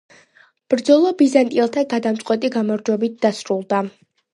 ბრძოლა ბიზანტიელთა გადამწყვეტი გამარჯვებით დასრულდა.